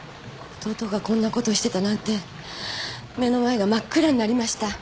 弟がこんなことをしてたなんて目の前が真っ暗になりました